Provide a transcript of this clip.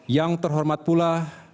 yang terhormat pula